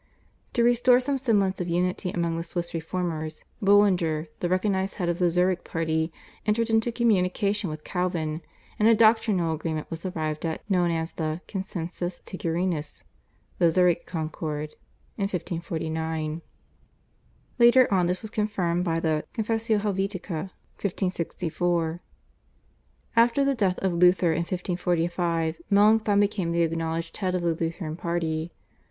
To restore some semblance of unity among the Swiss Reformers Bullinger, the recognised head of the Zurich party, entered into communication with Calvin, and a doctrinal agreement was arrived at known as the /Consensus Tigurinus/ (The Zurich Concord) in 1549. Later on this was confirmed by the /Confessio Helvetica/ (1564). After the death of Luther in 1545 Melanchthon became the acknowledged head of the Lutheran party.